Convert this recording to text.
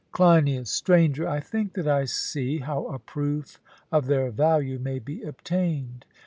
CLEINIAS: Stranger, I think that I see how a proof of their value may be obtained.